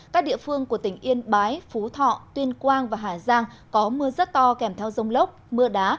các địa phương của tỉnh yên bái phú thọ tuyên quang và hà giang có mưa rất to kèm theo rông lốc mưa đá